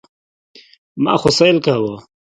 خو ما سيل کاوه.